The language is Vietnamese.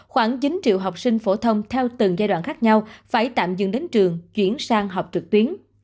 khoảng chín triệu học sinh phổ thông theo từng giai đoạn khác nhau phải tạm dừng đến trường chuyển sang học trực tuyến